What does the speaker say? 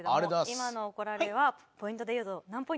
今の怒られはポイントでいうと何ポイントでしょうか？